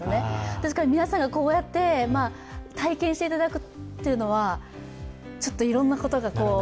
ですから皆さんにこうやって体験していただくというのはちょっといろんなことが。